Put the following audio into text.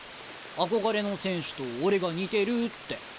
憧れの選手と俺が似てるって。